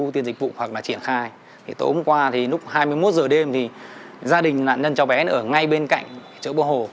tối hôm qua thì lúc hai mươi một h đêm thì gia đình nạn nhân cháu bé ở ngay bên cạnh chỗ bộ hồ